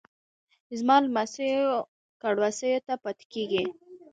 زما لمسیو کړوسیو ته پاتیږي